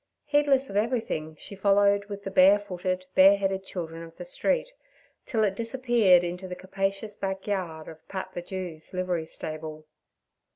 Heedless of everything, she followed with the barefooted, bareheaded children of the street, till it disappeared into the capacious back yard of 'Pat the Jew's' livery stable.